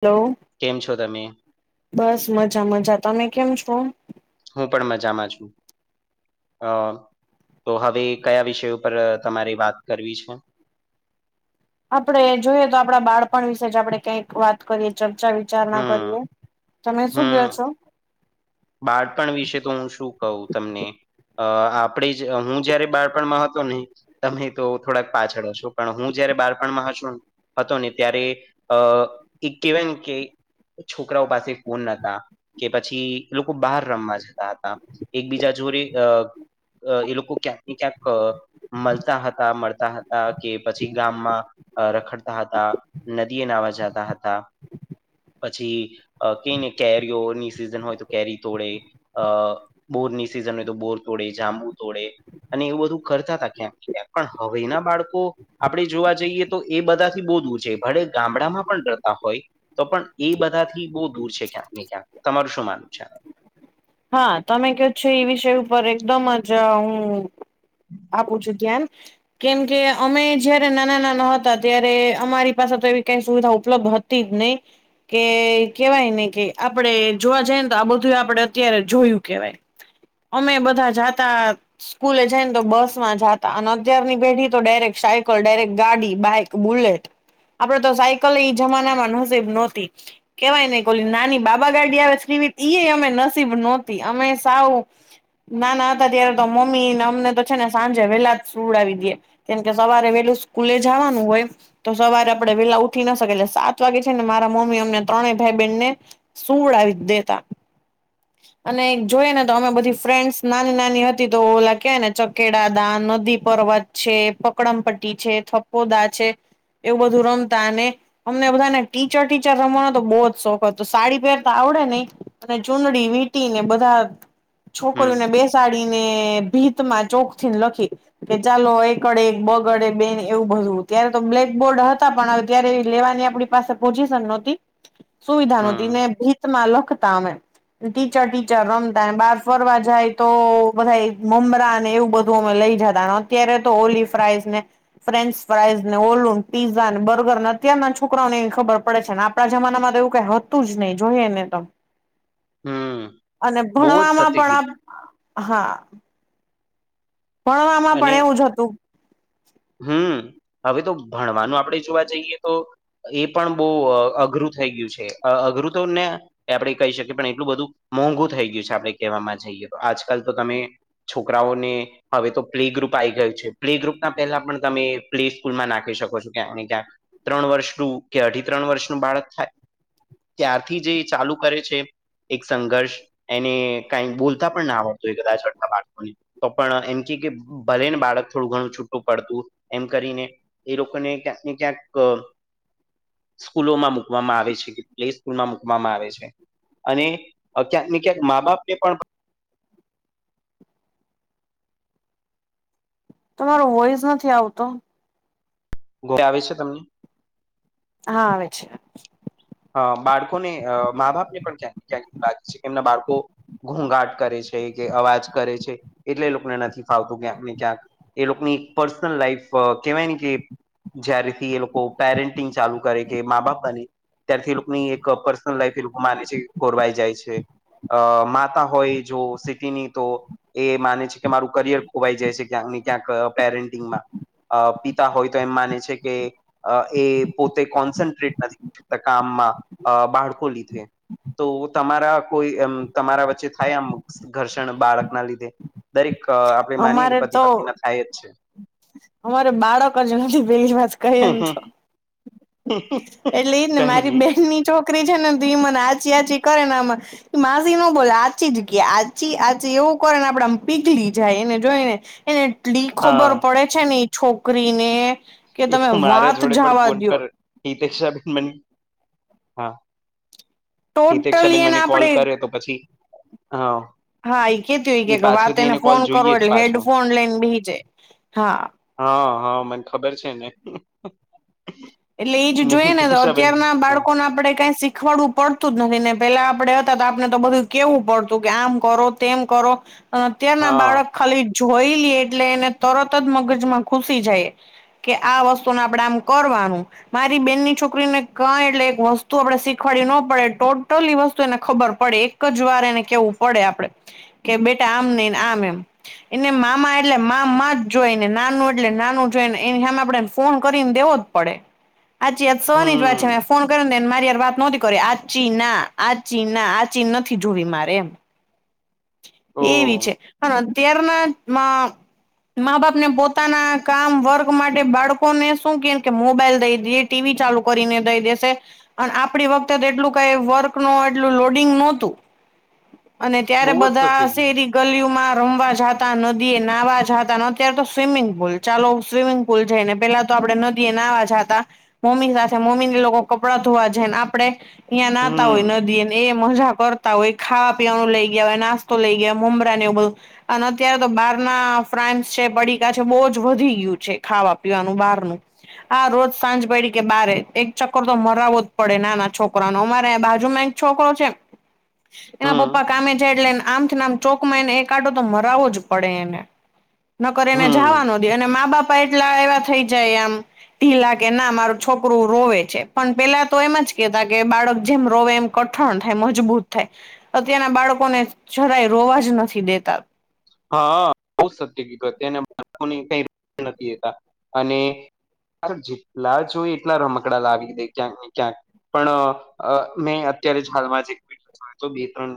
Hello. કેમ છો તમે. બસ મજા મજા તમે કેમ છો. હું પણ મજામાં છું. અ તો હવે કયા વિષયો ઉપર તમારે વાત કરવી છે. આપણે જોઈએ તો આપણા બાળપણ વિશે જ આપડે ક્યાંક વાત કરીએ ચર્ચા વિચારણા હમ કરીએ. તમે શું કયો હમ છો. બાળપણ વિશે તો હું શું કહું તમને. અ આપણે જ હું જયારે બાળપણમાં હતો ને. તમે તો થોડાક પાછળો હસો પણ હું જયારે બાળપણમાં હસું. હતો ને ત્યારે અ એ કહેવાય કે. છોકરાઓ પાસે ફોન નતા કે પછી. લોકો બહાર રમવા જતા હતા એકબીજા જોરે અ. અ એ લોકો ક્યાંક ને ક્યાંક અ મલતા હતા મળતા હતા. તા કે પછી ગામમાં અ રખડતા હતા નદીએ નાવા જાતા હતા. પછી અ કે ની કેરીઓ ની સિઝન હોય તો. કેરી તોડે અ બોરની સિઝન હોય તો બોર તોડે જાંબુ તોડે. અને એવું બધું કરતા હતા ક્યાં કયાં પણ હવે ના બાળકો. આપણે જોવા જઈએ તો એ બધાથી બોધવું છે ભલે ગામડામાં પણ ડરતા હોય. તો પણ એ બધાથી બહુ દૂર છે ક્યાંક ને ક્યાંક તમારું શું માનવું છે આ. હા તમે કછો એ વિષય ઉપર એકદમ જ હું. આપું છું ગ્યાન. કેમ કે અમે જય્યારે નાના નાના હતા ત્યારે અમારી પાસે તો એવી કઈ સુવિધા ઉપલબ્ધ હતી જ નહી. કે કેવાય ને કે આપડે જોવા જઈ ને તો આ બધું આપડે. અત્યારે જોયું કેવાય અમે બધા જાતા. સ્કૂલે જઈ ને તો બસ માં જાતા અને અત્યારની પેઢી તો ડાયરેક્ટ સાયકલ ડાયરેક્ટ ગાડી બાઈક. બુલેટ આપડે તો સાયકલ ઇ જમાનામાં નસીબ નહોતી. કેવાય નહી ઓલી નાની બાબા ગાડી આવે ઇસકિવિટ ઇ અમે ન. નસીબ નહોતી અમે સાવું. ના હતા ત્યારે તો મમ્મી ને અમને તો છે ને સાંજે વેલા જ સુડાવી દે. કેમ કે સવારે વેલું સ્કૂલે જવાનું હોય. તો સવારે આપડે વેલા ઉઠી ના શકીએ એટલે સાત વાગે છે ને મારા મમ્મી અમને ત્રણેય ભાઈ બહેનને. સૂળાવી દેતા. અને જોઈએ ને તો અમે બધી ફ્રેન્ડ્સ નાની નાની હતી તો ઓલા કહે ને ચકેડા દા નદી. પર્વત છે પકડમ પટ્ટી છે થપોદા છે એવું બધું રમતા અને અમને બધાને ટીચર ટીચર રમવાનો તો બહુ જ શોખ હતો હતો સાડી પહેરતા આવડે નહી અને ચુંડડી વિટી ને બધા હમ છોકરીઓને બેસાડી. ને ભીતમાં ચોક થી ને લખી. કે ચાલો એકડે એક બગડે બે એવું બધું ત્યારે તો બ્લેકબોર્ડ હતા પણ ત્યારે એવી લેવાની આપળી પાસે પોઝિશન નોતી સુવિધા નોતી હમ ને ભીતમાં લખતા અમે. ટીચર ટીચર રમતા બાર ફરવા જાય તો બધા મમરા ને એવું બધું અમે લઈ જતા અત્યારે તો ઓલી ફ્રાઈસ ને ફ્રેન્ચ ફ્રાઈઝને ઓલુન પીઝા ને બર્ગર ને અત્યારના છોકરાઓને એ ખબર પડે છે આપણા જમાનામાં એું કઈ હતું જ નહીિ જોઈએ ને તો હમ અને બહુ જ સત્ય ભણવામાં પણ કીધું આપ હા પણ આમાં અને પણ એવું જ હતું હમ હવે તો ભણવાનું આપણેે જોવા જઈએ તો એ પણ બહ અઘરું થઈ ગયું છે અઘરું તો ને એ આપડણે કહી શકીએ પણ એટલું બધું મોંઘું થઈ ગયું છે આપણે કહેવામાં જઈએ તો આજકાલ તો તમે છોકરાઓને હવે તો પ્લે ગ્રુપ આઈ ગયું છે, પ્લે ગ્રુપ ના પેહલા પણ તમે પ્લે સ્કૂલમાં નાખી શકો છો, ક્યાંક ને ક્યાંક. ત્રણ વર્ષનું કે અઢી ત્રણ વર્ષનું બાળક થાય ત્યારથી જે ચાલુ કરે છે એક સંઘર્ષ એને કઈ બોલતા પણ ના આવડતું હો કદાચાતો તો પણ એમ કે ભલે ને બાળક થોડું ઘણું છૂટું પડતું એમ કરીને એ રકને ક્યાંકને ક્યાંક સ્કૂલોમાં મુૂકવામાં આવે છે કે પ્લે સ્કૂલમાં મુૂકવામાં આવે છે અને ક્યાંક ને ક્યાંક મા બાપ ને પણ તમારો વોઈસ નથી આવતો ઘોરે આવે છે તમને હા વિ છે અ બાળકોને અ મા બાપ ને પણ ક્યાંક ને ક્યાંક લાગે છે કે એમના બાળકો ઘૂઘાટ કરે છે કે અવાજ કરે છે એટલે લોકોને નથી ફાવતું ક્યાંક ને ક્યાંક. એ લોકોની પર્સનલ લાઈફ કેહેવાય ને કે જયારેથી એ લોકો પેરેન્ટિંગ ચાલુ કરે કે મા બાપ બને. ત્યારથી લોકોની એક પર્સનલ લાઈફ એ લોકો માને છે, કોરવાઈ જાય છે. અ માતા હોય જો સિટીની તો એ માને છે કે મારું કરિયર ખોવાઈ જાય છે ક્યાંક ને ક્યાંક અ પેરેન્ટિંગમાં. અ પિતા હોય તો એમ માને છે કે અ એ પોતે કોન્સન્ટ્રેટ નથી કામમાં અ બાળકો લીધે. તો તમારા કોઈ એમ તમારા વચ્ચે થાય આમ. ઘર્ષણ બાળકના લીધે દરેક અ આપડે માનીયે અમારે કે પતિ તો પત્નીમાં થાય જ છે. અમારે બાળક જ નથી પેલી વાત કઈએ ન તો. [inaudible] એટલે એજ ને મારી નહી બેન ની છોકરી છે ને તો ઈ મને આચી આચી કરે નામાં માસી ન બોલે આચી જ કે આચી, આચી એવું કરે ને આપડે આમ પીગલી જાય એને જોઈને. એને એટલી ખબર હા પડે છે ને એ છોકરીને કે તમે વાત જાવા દયો. હિતેકશા બેન મન હા હિતેકશા ટોટલી બેન એને મને કોલ આપડે કરે તો પછી, હા. હા ઈ કેતી હોય એ કે વાત પાછળથી એને કોલ ફોન કરો જોઈએ જ એટલે પાછો હેડફોન લઈન બેહી જાય હા. હા હા મન ખબર છે ને. એટલે ઈજ ને જોઈ એને તો હિતેક્ષાબેન અત્યારના બાળ હા કોન આપડે કાઈ શીખવાડવું પડતું જ નથી ને પેલા આપડે હતા તો આપણે તો બધું કેવું પડતું કે આમ કરો તેમ કરો, અન અત્યાર ના હા બાળક ખાલી જોઈલ્યે એટલે એને તરત જ મગજમાં ઘુસી જાય. કે આ વસ્તુન આપડે આમ કરવાનું. મારી બેનની છોકરીને કાઈ એટલે એક વસ્તુ આપડે શીખવાડી નો પડે ટોટલી વસ્તુ એને ખબર પડે એક એક જ વાર એને કેવું પડે આપડે કે બેટા આમ નઈ ન આમ એમ. એને મામા એટલે મામા જ જોઈ ને નાનું એટલે નાનું જોઈ ને એને હામે આપડે ફોન કરીન દેવો પડે હજી આજ સવારની જ વાત છે, હમ મેં ફોન કર્યોન તો એન મારી હારે વાત નોતી કરવી આચી ના આચી ના આચી નથી જોવી મારે એમ. ઓ એવી છે પણ અત્યારના માં મા બાપ ને પોતાના કામ વર્ક માટે બાળકોને શું કે કે મોબાઈલ દઈ દયે ટીવી ચાલુ કરીને દઈ દેશે. અન આપડી વખતે તો એટલું કઈ વર્ક નો એટલું લોડિંગ નોતું અને કે કે બહુ જ સત્ય બધા કીધું શેરી ગલીયુમાં રમવા જાતા નદી એ નાહવા જાતા અત્યારે તો સ્વિમિંગ પુલ ચાલો સ્વિમિંગ પૂલ જઈને પેલા તો આપડે નદી એ નાવા જાતા. મમ્મીન સાથે મમ્મી ને એ લોકો કપડાં ધોવા જાય ન આપડે ઇયા નાતા હમ હોય નદીએ એ મજા કરતા હોય ખાવા પીવાનું લઈ ઈ હવે નાસ્તો લઈ ગયા મમરાને એવું બધું. અને અત્યારે તો બહાર ના ફ્રાન્ચ છે, પડીકા છે બહુ જ વધી ગયું છે ખાવા પીવાનું બારનું. આ રોજ સાંજ પડી કે બારે એક ચક્કર તો મરાવો જ પડે નાના છોકરા નો અમારે આયા બાજુમાંય છોકરો છે એના હમ પપ્પા અમે જાઈ એટલે એન આમ થી ન આમ ચોક માં એને એક આંટો તો મરાવો જ પડે એને. નકર એને હમ જાવા નો દે અને મા બાપા એટલા એવા થઈ જાય આમ. ઢીલા કે ના મારું છોકરું રોવે છે પણ પેલા તો એમ જ કેતા કે બાળક જેમ રોવે એમ કઠણ થાય મજબૂત થાય અત્યારના બાળકોને જરાય રોવા જ નથી દેતા. હા બહું સત્ય કીધું અત્યારના બાળકોને કંઈ [unintelligible] લેતા અને તાર જેટલા જોઈયે એટલા રમકડા લાવી દે ક્યાંક ને ક્યાંક. પણ અ મેં અત્યારે જ હાલમાં જ એક બે જોયો તો બે ત્રણ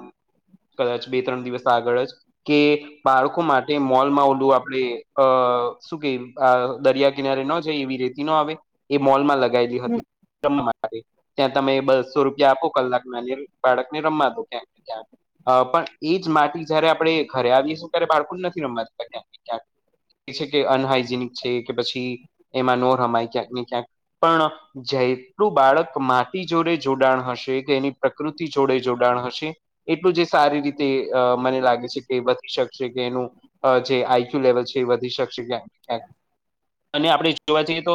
કદાચ બે ત્રણ દિવસ આગળ જ કે બાળકો માટે મોલમાં ઓલું આપણે અ શું કે અ દરિયા કિનારે નો જાય એવી રીતે ઇનો આવે એ મોલમાં લગાયેલી હતી [unintelligible] માટે ત્યાં તમે બસ્સો રૂપિયા આપો કલાકના એટલે બાળકને રમા દે ક્યાંક ને ક્યાંક. અ પણ એ જ માટી જયારે આપણેે ઘરે આવીએશું ત્યારે બાળકોને નથી રમવા દેતા ક્યાંક ને ક્યાંક. એ છે કે અનહાઈજીનિક છે કે પછી એમાં નો રમાય ક્યાંક ને ક્યાંક, પણ જેટલું બાળક માટી જોડે જોડાણ હશે કે એની પ્રકૃતિ જોડે જોડાણ હશે એટલું જે સારી રીતે અ મને લાગે છે, કે વધી શક છે કે એનું જે આઈક્યુ લેવલ છે એ વધી શકશે ક્યાક ને ક્યાંક અને આપણે જોવા જઈએ, તો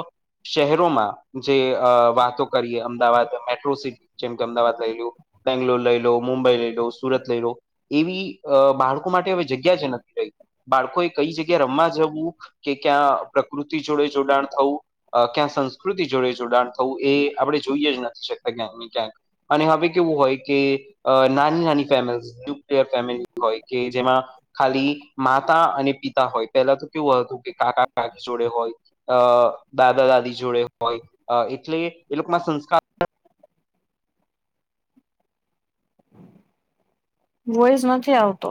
શહેરોમાં જે અ વાતો કરીએ અમદાવાદ મેટ્રો સિટ જેમ કે અમદાવાદ લઈ લો, બેંગ્લોર લઈ લો, મુંબઈ લઈ લો, સુરત લઈ લો એવી અ બાળકો માટે હવે જગ્યા જ નથી રહી બાળકો એ કઈ જગ્યા રમવા જવું કે ક્યાં પ્રકૃતિ જોડે જોડાણ થવું અ ક્યાં સંસ્કૃતિ જોડે જોડાણ થવું એ આપણે જોઈએ જ નથી શકતા ક્યાંક ને ક્યાંક. અને હવે કેવું હોય કે અ નાની-નાની ફેમિલી ન્યુક્લયર ફેમિલી હોય કે જેમાં ખાલી માતા અને પિતા હોય પહેલા તો કેવું હતું કે કાકા-કાકી જોડે હોય અ દાદા-દાદી જોડે હોય અ એટલે એ એ લોકોમાં સંસ્કાર વોઈઝ નથી આવતો.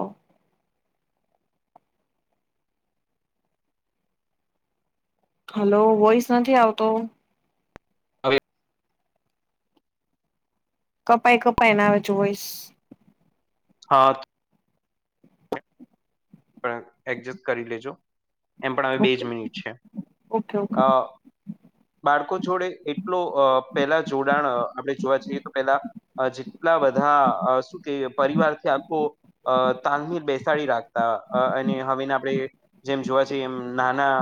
હલો, વોઈસ નથી આવતો. હવે કપાઈ-કપાઈ ને આવે છે વોઇસ. હા. પણ એડજસ્ટ કરી લેજો. એમ પણ હવે, બે જ ઓકે મિનિટ છે. ઓકે ઓકે અ બાળકો જોડે એટલો પેલા જોડાણ આપણે જોવા જઈએ તો પેલા જેટલા બધા શું કે પરિવારથી આખો તાલમીર બેસાડી રાખ હવેના આપણે જેમ જોવા છીએ એમ નાના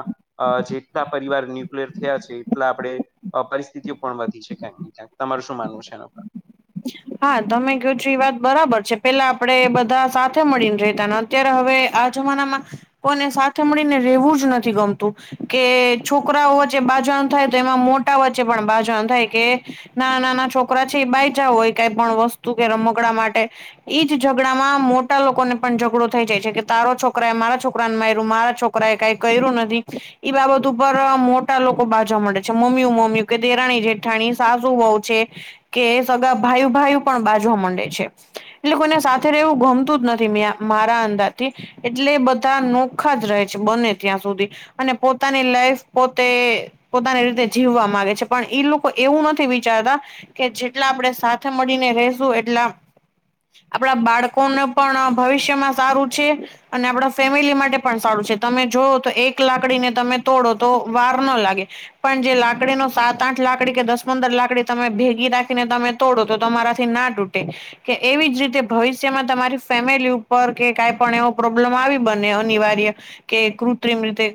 અ જેટલા પરિવાર ન્યુક્લિયર થયા છે એટલા આપણે પરિસ્થિતિઓ પણ વધી છે, કહી તમાર શું માનનું છે, એના ઉપર? હા, તમે કહો છો એ વાત બરાબર છે, પેલા આપણે બધા સાથે મળીને રેતા ને અત્યારે હવે આ જમાનામાં એલોકોને સાથે મળીને રહેવું જ નથી ગમતું કે છોકરાઓ વચ્ચે બાજણ થાય, તો એમાં મો વચ્ચે પણ બાજન થાય કે નાના-નાના છોકરા છે, એ બાય જાઓ હોય કઈ પણ વસ્તુ કે રમકડા માટે એજ ઝઘડામાં મોટા લોકોને પણ ઝઘડો થઈ જાય છે, કે તારો છોકરા એ મારા છોકરા ને મારયું મારા છોકરા છોકરાએ કઈ કરું નથી ઈ બાબત ઉપર મોટા લોકો બાજુ મળે છે, મમ્મી-મમ્મુ કે દેરાણી-જેઠાણી, સાસુ-બહુ છે કે સગા ભાઈ-ભાઈ પણ બાજવા માંડે છે. એટલે કોઈને સાથે રહેવું ગમતું જ નથી, મે મારા અંદરથી એટલે બધા નોખા જ રહે છે, બને ત્યાં સુધી અને પોતાની લાઈફ પોતે પોતાની રીતે જીવવા માંગે છે, પણ ઈ લોકો એવું નથી વિચારતા કે જેટલા આપણે સા થે મળીને રહીશુ એટલા આપણા બાળકોને પણ ભવિષ્યમાં સારું છે. અને આપણા ફેમિલી માટે પણ સારું છે, તમે જોવો તો એક લાકડીને તમે તોડો તો વાર ન લાગે પણ જે લાકડીનો સાત-આઠ લાકડી કે દસ-પંદર લાકડી તમે ભેગી રાખીને તમે તોડો તો તમારાથી ના તૂટે. કે એવી જ રીતે ભવિષ્યમાં તમારી ફેમિલી ઉપર કે કઈ પણ એવો પ્રોબ્લેમ આવી બને અનિવાર્ય કે કૃત્રિમ રીતે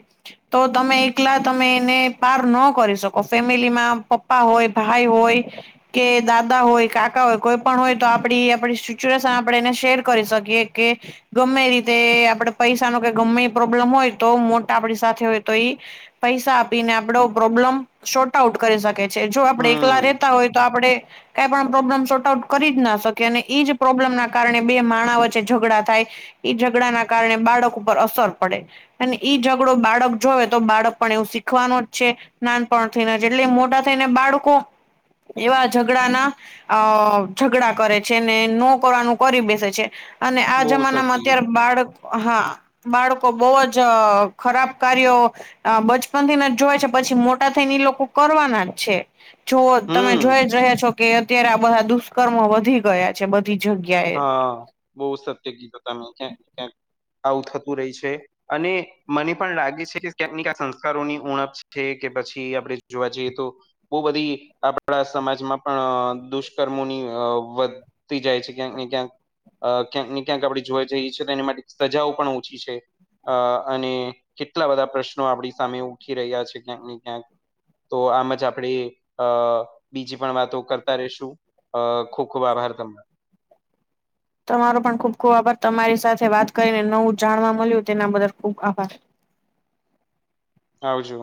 તો તમે એકલા તમે એને પાર ન કરી શકો. ફેમિલીમાં પપ્પા હોય, ભાઈ હોય કે દાદા હોય કાકા હોય કોઈ પણ હોય તો આપડી આપડી સિચ્યુએશન આપણે એને શેર કરી શકીએ કે ગમે રીતે આપડે પૈસા ન ક ગમે એ પ્રોબ્લેમ હોય તો મોટા આપડી સાથે હોય તો એઈ પૈસા આપીને આપડો પ્રોબ્લમ શોર્ટ આઉટ કરી શકે છે. જો આપડે એકલા હમ રહેેતા હોય તો આપણે કાઈ પણ પ્રોબ્લમ સોર્ટ આઉટ કરી જ ના શકે અને એઈજ પ્રોબ્લેમ ના કારણે બે માણા વચ્ચે ઝઘડા થાય એ ઝઘડા ના કારણે બાળકો ઉપર અસર પડે. અને ઈ ઝઘડો બાળક જોવે તો બાળક પણ એવું શીખવાનો જ છે નાનપણ થઈને એટલે મોટા થઈને બાળકો એવા ઝઘડા ના અ ઝઘડા કરે છે ને નો કરવાનું કરી બેસે છે. અને આ બહુ જમાનામાં સતી અત્યારે બાળક હા બાળકો બહ જ ખરાબ કાર્યો બચપન થીને જ જોય છે પછી મોટા થઈ ને લોકો કરવાના જ છે. જો તમે હમ જોઈ જ રહ્યા છો કે અત્યારે આ બધા દુષ્કર્મો વધી ગયા છે બધી જગ્યાએ. હા બહ સત્ય ગીત તમે ક્યાં આવું થતું રહી છે. અને મને પણ લાગે છે કે ક્યાંક ક સંસ્કારોની ઉણપ છે કે પછી આપણે જોવા જઈએ તો બહુ બધી આપડા સમાજમાં પણ દુષ્કર્મોની વધતી જાય છે. ક્યાંક ને ક્યાંક ક્યાંક ને ક્યાંક આપણે જોવા જઈએ છીએ તો એની માટે સજાઓ પણ ઓછી છે. અ અને કેટલા બધા પ્રશ્નો આપણી સામે ઉઠી રહ્યા છે ક્યાંક ને ક્યાંક તો આમ જ આપણેે અ બીજી પણ વાતો કરતા રેશું. અ ખૂબ ખૂબ આભાર તને. તમારો પણ ખુબ ખૂબ આભાર તમારી સાથે વાત કરીને નવું જાણવા મળ્યું તેના બદલ ખુબ આભાર. આવ જો.